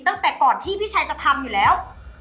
ตั้งแต่ก่อนที่พี่ชายจะทำอยู่แล้ว